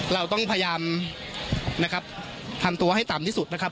เราต้องพยายามนะครับทำตัวให้ต่ำที่สุดนะครับ